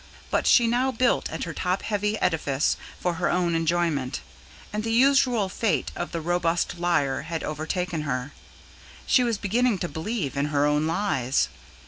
But she now built at her top heavy edifice for her own enjoyment; and the usual fate of the robust liar had overtaken her: she was beginning to believe in her own lies.